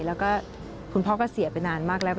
แล้วก็คุณพ่อก็เสียไปนานมากแล้ว